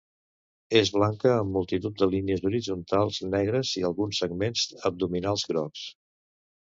És blanca amb multitud de línies horitzontals negres i alguns segments abdominals grocs.